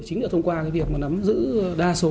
chính là thông qua việc nắm giữ đa số